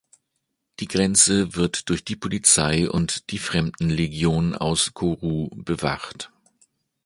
Die Grenze wird durch die Polizei und die Fremdenlegion aus Kourou bewacht.